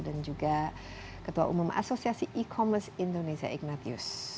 dan juga ketua umum asosiasi e commerce indonesia ignatius